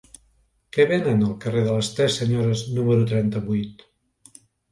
Què venen al carrer de les Tres Senyores número trenta-vuit?